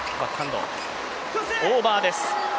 オーバーです。